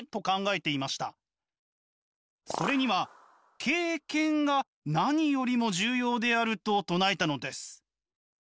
それには「経験」が何よりも重要であると唱えたのです。